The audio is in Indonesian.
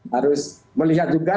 harus melihat juga